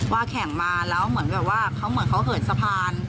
แข่งมาแล้วเหมือนแบบว่าเขาเหมือนเขาเหินสะพาน